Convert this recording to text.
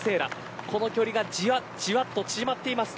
この距離がじわっじわっと縮まっています。